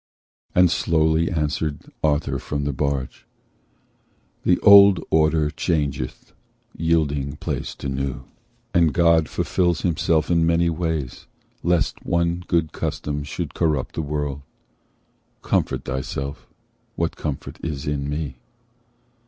And slowly answered Arthur from the barge: "The old order changeth, yielding place to new, And God fulfils himself in many ways, Lest one good custom should corrupt the world. Comfort thyself: what comfort is in me?